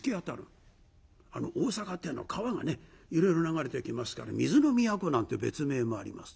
あの大阪っていうの川がねいろいろ流れてきますから水の都なんて別名もあります。